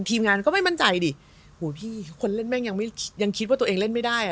ทีมงานก็ไม่มั่นใจดิโหพี่คนเล่นแม่งยังไม่ยังคิดว่าตัวเองเล่นไม่ได้อ่ะ